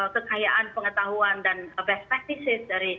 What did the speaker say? kekayaan pengetahuan dan best practices